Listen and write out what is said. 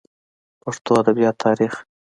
پښتو ادبياتو تاريخ